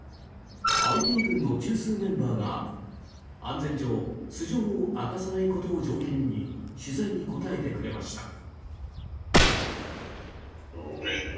ＩＴ軍の中枢メンバーが安全上素性を明かさないことを条件に取材に答えてくれました。